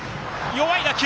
弱い打球。